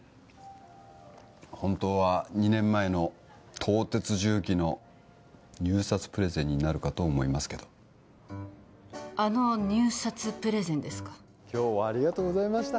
本当は２年前の東鉄重機の入札プレゼンになるかと思いますけどあの入札プレゼンですか今日はありがとうございました